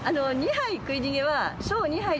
「２杯喰い逃げ」は。